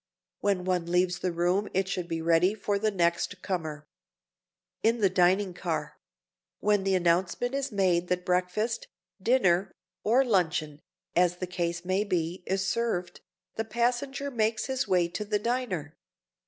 When one leaves the room it should be ready for the next comer. [Sidenote: IN THE DINING CAR] When the announcement is made that breakfast, dinner or luncheon, as the case may be, is served, the passenger makes his way to the diner.